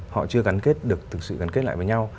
họ chưa thực sự cắn kết lại với nhau